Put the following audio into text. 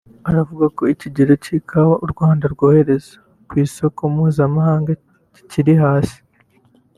aravuga ko ikigero cy’ikawa u Rwanda rwohereza ku isoko mpuzamahanga kikiri hasi